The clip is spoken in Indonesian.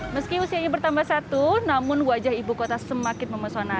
meski usianya bertambah satu namun wajah ibu kota semakin memesona